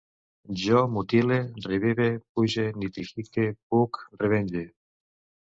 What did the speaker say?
Jo mutile, revive, puge, nitrifique, puc, revenge